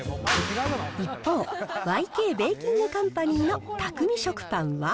一方、ＹＫベーキングカンパニーの、匠水食パンは。